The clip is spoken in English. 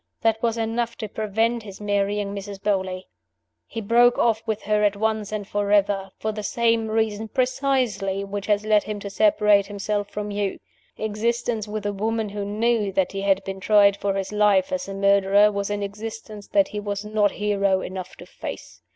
That was enough to prevent his marrying Mrs. Beauly. He broke off with her at once and forever for the same reason precisely which has led him to separate himself from you. Existence with a woman who knew that he had been tried for his life as a murderer was an existence that he was not hero enough to face.